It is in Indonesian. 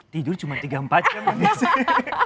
tidur cuma tiga empat jam ya sih